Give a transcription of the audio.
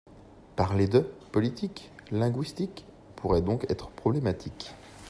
Parler de, politique linguistique, pourrait donc être problématique.